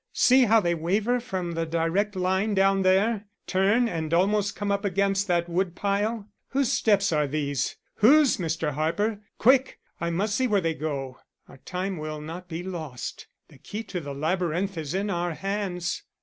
See how they waver from the direct line down there, turn, and almost come up against that wood pile! Whose steps are these? Whose, Mr. Harper? Quick! I must see where they go. Our time will not be lost. The key to the labyrinth is in our hands."